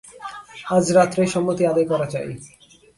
আজ রাত্রেই সম্মতি আদায় করা চাই।